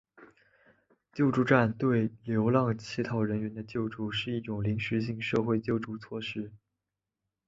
救助站对流浪乞讨人员的救助是一项临时性社会救助措施。